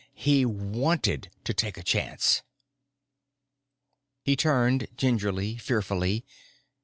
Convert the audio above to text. He wanted to take a chance. He turned, gingerly, fearfully.